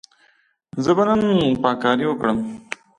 زه به نن پاککاري وکړم.